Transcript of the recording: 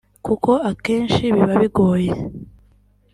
kuko akenshi biba bigoye